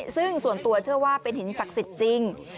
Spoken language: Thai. ซึ่งส่วนตัวเชื่อว่าเป็นหินศักดิ์สิทธิ์จริง